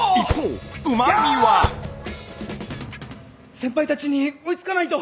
先輩たちに追いつかないと！